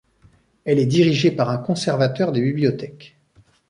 Elle est dirigée par un conservateur des bibliothèques.